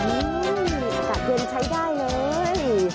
อืมอากาศเย็นใช้ได้เลย